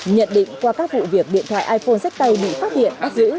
nhận định qua các vụ việc điện thoại iphone sách tay bị phát hiện